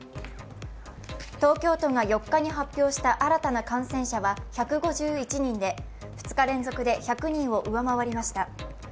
東京都が４日に発表した新たな感染者は１５１人で２日連続で１００人を上回りました。